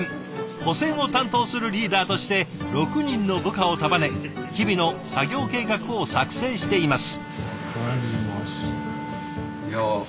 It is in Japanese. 保線を担当するリーダーとして６人の部下を束ね日々の作業計画を作成しています。